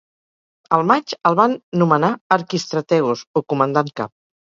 Al maig, el van nomenar "archistrategos" o comandant cap.